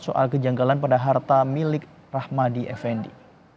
soal kejanggalan pada harta milik rahmadi effendi